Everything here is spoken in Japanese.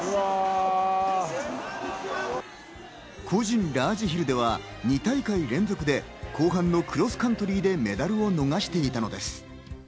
個人ラージヒルでは２大会連続で後半のクロスカントリーでメダルを逃していたのです。